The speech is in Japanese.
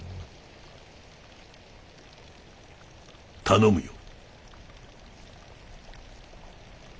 頼むよ。